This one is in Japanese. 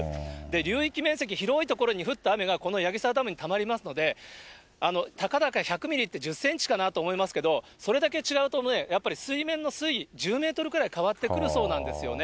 流域面積広い所に降った雨がこの矢木沢ダムにたまりますので、たかだか１００ミリって１０センチかなって思いますけど、それだけ違うとね、やっぱり水面の水位、１０メートルくらい変わってくるそうなんですよね。